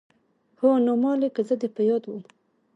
هو نو مالې که زه دې په ياده وم.